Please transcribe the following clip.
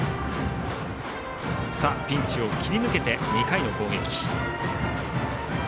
ピンチを切り抜けて２回の攻撃。